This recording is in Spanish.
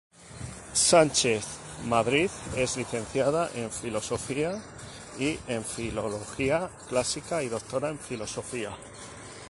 Sánchez Madrid es licenciada en Filosofía y en Filología clásica y Doctora en Filosofía.